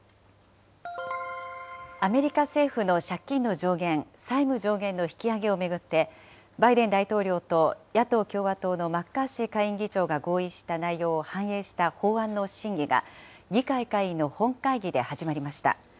アメリカ政府の借金の上限、債務上限の引き上げを巡って、バイデン大統領と野党・共和党のマッカーシー下院議長が合意した内容を反映した法案の審議が、議会下院の本会議で始まりました。